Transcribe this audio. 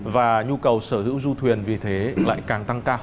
và nhu cầu sở hữu du thuyền vì thế lại càng tăng